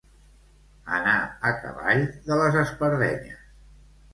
Anar a cavall de les espardenyes.